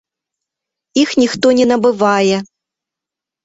Іх ніхто не набывае.